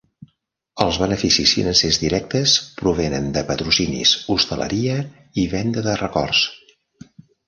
Els beneficis financers directes provenen de patrocinis, hosteleria i venda de records.